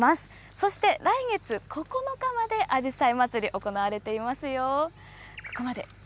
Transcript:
そして来月９日まであじさい祭り行われていますよ。